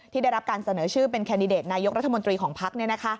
ได้รับการเสนอชื่อเป็นแคนดิเดตนายกรัฐมนตรีของพัก